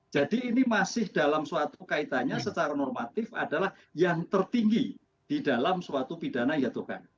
jadi ini masih dalam suatu kaitannya secara normatif adalah yang tertinggi di dalam suatu pidana yaitu kan